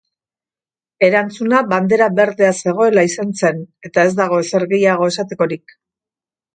Erantzuna bandera berdea zegoela izan zen eta ez dago ezer gehiago esatekorik.